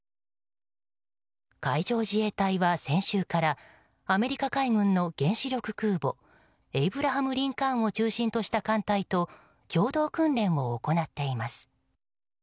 海上自衛隊は先週からアメリカ海軍の原子力空母「エイブラハム・リンカーン」を中心とした艦隊と共同訓練を行っています。